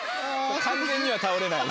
完全には倒れない。